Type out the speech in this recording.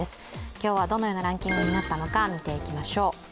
今日はどのようなランキングになったのか見ていきましょう。